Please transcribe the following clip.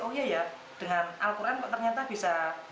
oh iya ya dengan al quran kok ternyata bisa